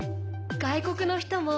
外国の人も。